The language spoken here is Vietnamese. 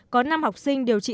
có năm học sinh điều trị